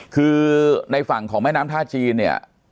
คือในฝั่งของแม่น้ำท่าจีนเนี่ย